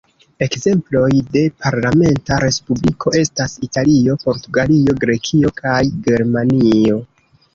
Ekzemploj de parlamenta respubliko estas Italio, Portugalio, Grekio kaj Germanio.